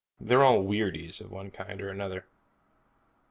They're all weirdies of one kind or another.